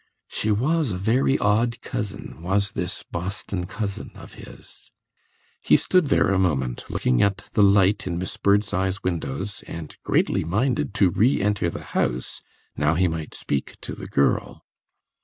She was a very odd cousin, was this Boston cousin of his. He stood there a moment, looking at the light in Miss Birdseye's windows and greatly minded to re enter the house, now he might speak to the girl.